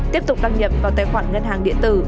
tiếp tục đăng nhập vào tài khoản ngân hàng điện tử